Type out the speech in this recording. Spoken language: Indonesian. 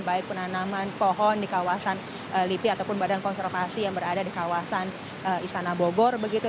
baik penanaman pohon di kawasan lipi ataupun badan konservasi yang berada di kawasan istana bogor begitu